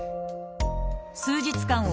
数日間